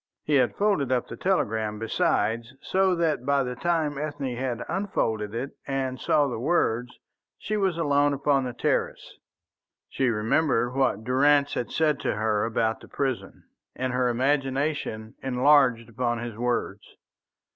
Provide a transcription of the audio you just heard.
He had folded up the telegram, besides, so that by the time Ethne had unfolded it and saw the words, she was alone upon the terrace. She remembered what Durrance had said to her about the prison, and her imagination enlarged upon his words.